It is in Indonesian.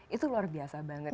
itu luar biasa banget